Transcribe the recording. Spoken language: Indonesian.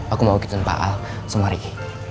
aku mau ke tempat al semua riki